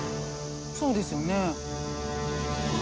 そうですよね。